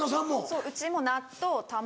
そううちも納豆卵。